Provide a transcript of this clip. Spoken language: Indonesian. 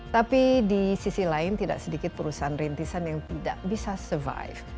tapi di sisi lain tidak sedikit perusahaan rintisan yang tidak bisa survive